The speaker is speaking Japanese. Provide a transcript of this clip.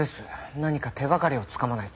何か手がかりをつかまないと。